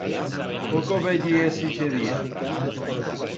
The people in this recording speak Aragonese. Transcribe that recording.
Poco veyiés ixe día.